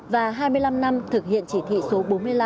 và hai mươi năm năm thực hiện chỉ thị số bốn mươi năm